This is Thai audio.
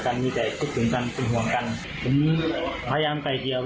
ไม่ไปหากัน